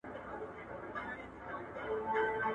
سياست بايد د ټولني په ګټه وي.